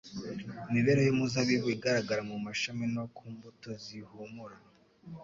Imibereho y'umuzabibu igaragara mu mashami no ku mbuto zihumura.